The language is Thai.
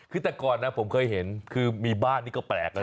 คือแต่ก่อนนะผมเคยเห็นคือมีบ้านนี่ก็แปลกนะ